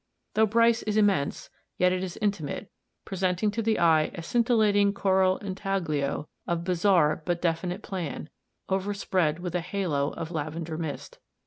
Though Bryce is immense, yet it is intimate, presenting to the eye a scintillating coral intaglio of bizarre but definite plan, overspread with a halo of lavender mist.